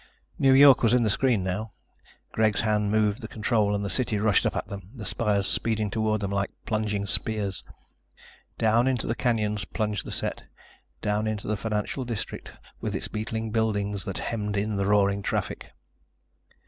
New York was in the screen now. Greg's hand moved the control and the city rushed up at them, the spires speeding toward them like plunging spears. Down into the canyons plunged the set, down into the financial district with its beetling buildings that hemmed in the roaring traffic.